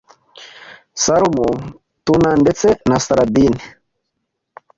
salmon, tuna ndetse na sardines